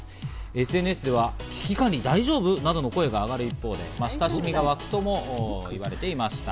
ＳＮＳでは危機管理大丈夫？などの声が上がる一方で親しみが沸くとも言われていました。